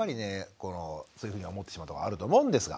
このそういうふうに思ってしまうとこあると思うんですが。